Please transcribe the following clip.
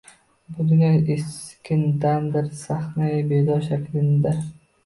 Bu dunyo eskidandir sahnai bedod shaklinda.